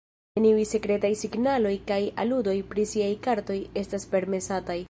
Neniuj sekretaj signaloj kaj aludoj pri siaj kartoj estas permesataj.